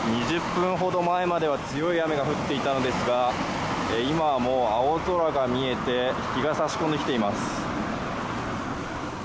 ２０分ほど前までは強い雨が降っていたのですが今、青空が見えて日が差し込んできています。